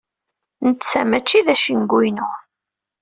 Netta mačči d acengu-inu.